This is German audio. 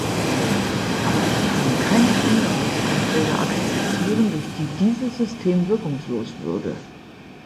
Aber ich kann keine Änderungsanträge akzeptieren, durch die dieses System wirkungslos würde.